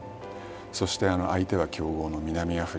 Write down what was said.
そして相手は強豪の南アフリカ。